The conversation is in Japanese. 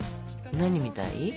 何みたい？